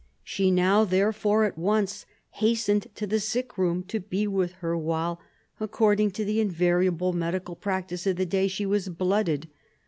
She now therefore at once hastened to the sick room, to be with her while, according to the invariable medical practice of the day, she was blooded.